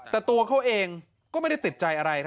แต่ตัวเขาเองก็ไม่ได้ติดใจอะไร